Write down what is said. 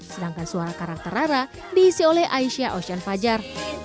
sedangkan suara karakter rara diisi oleh aisyah ocean fajar